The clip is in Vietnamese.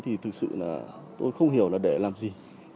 thì thực sự là tôi không hiểu là để làm gì